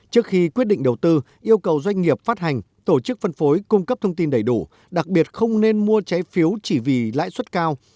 trước khi quyết định đầu tư yêu cầu doanh nghiệp phát hành tổ chức phân phối cung cấp thông tin đầy đủ đặc biệt không nên mua trái phiếu chỉ vì lãi suất cao